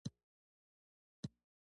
د فرهنګ ناتواني باید وپېژندل شي